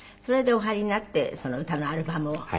それでお入りになってその『歌のアルバム』を？